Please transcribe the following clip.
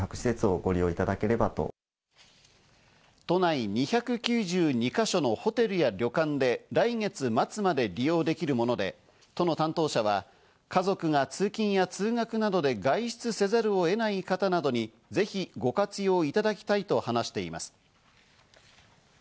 都内２９２か所のホテルや旅館で来月末まで利用できるもので、都の担当者は家族が通勤や通学などで外出せざるを得ない方などにぜひご活用いただきたいと話しています。